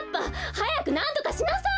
はやくなんとかしなさい！